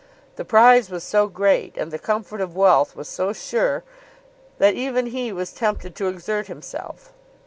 The prize was so great, and the comfort of wealth was so sure, that even he was tempted to exert himself.